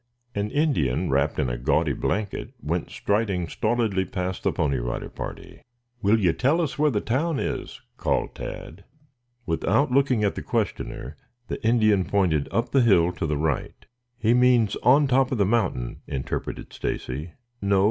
An Indian wrapped in a gaudy blanket went striding stolidly past the Pony Rider party. "Will you tell us where the town is?" called Tad. Without looking at the questioner, the Indian pointed up the hill to the right. "He means on top of the mountain," interpreted Stacy. "No.